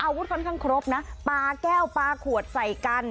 ค่อนข้างครบนะปลาแก้วปลาขวดใส่กัน